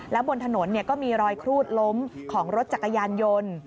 และบนถนนก็มีรอยครูดล้มของรถจักรยานยนต์